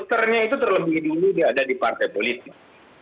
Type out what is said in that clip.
filternya itu terlebih dahulu ada di partai politik